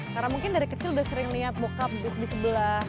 karena mungkin dari kecil udah sering liat bokap di sebelah